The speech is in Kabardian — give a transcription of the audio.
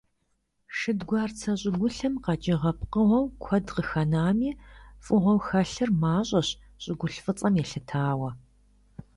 Шэдгуарцэ щӀыгулъхэм къэкӀыгъэ пкъыгъуэу куэд къыхэнами, фыгъэу хэлъыр мащӀэщ, щӀыгулъ фӀыцӀэм елъытауэ.